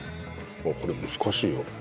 これ難しいわ。